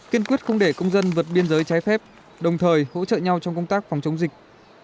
kiên quyết không để công dân vượt biên giới trái phép đồng thời hỗ trợ nhau trong công tác phòng chống dịch